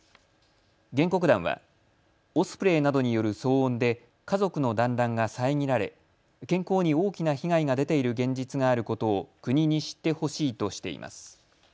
原告団はオスプレイなどによる騒音で家族の団らんが遮られ健康に大きな被害が出ている現実があることを国に知ってほしいとしています。